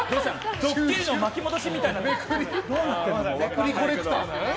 ドッキリの巻き戻しみたいになってる。